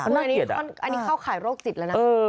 อันนี้เข้าข่ายโรคจิตแล้วนะ